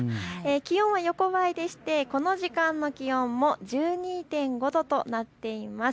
気温は横ばいでして、この時間の気温も１２．５度となっています。